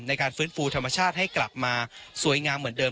ในการฟื้นฟูธรรมชาติให้กลับมาสวยงามเหมือนเดิ